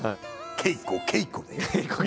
稽古稽古で。